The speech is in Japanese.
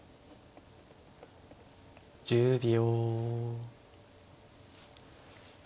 １０秒。